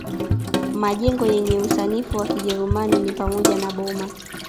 Majengo yenye usanifu wa Kijerumani ni pamoja na boma